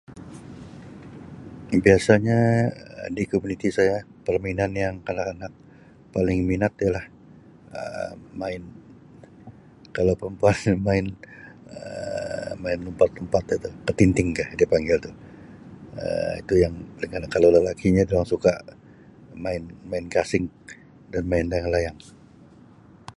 Biasanya di komuniti saya permainan yang kanak-kanak paling minat ialah Um main kalau perempuan main Um main lumpat-lumpat itu ketingting ka dipanggil tu Um itu yang [unintelligible] kalau lelakinya dorang suka main main gasing dan main layang-layang.